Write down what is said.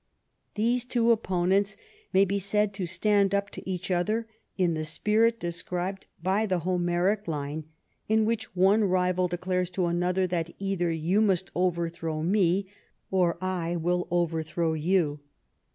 These two opponents may be said to stand up to each other in the spirit described by the Homeric line in which one rival declares to another that either you must overthrow me or I will overthrow you.